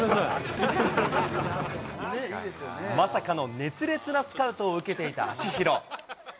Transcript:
まさかの熱烈なスカウトを受けていた秋広。